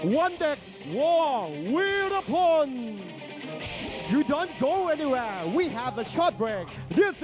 วันเด็กวอลวีร่าพอนอย่าก็ไม่ไปไหนอย่างไรเราจะมีการเติมตัว